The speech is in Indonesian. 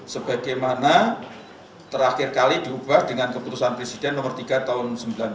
sebagaimana terakhir kali diubah dengan keputusan presiden nomor tiga tahun seribu sembilan ratus sembilan puluh